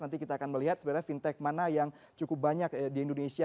nanti kita akan melihat sebenarnya fintech mana yang cukup banyak di indonesia